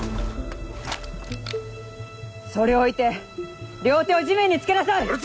それを置いて両手を地面につけなさい。